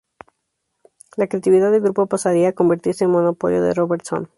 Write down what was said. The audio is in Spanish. La creatividad del grupo pasaría a convertirse en monopolio de Robertson.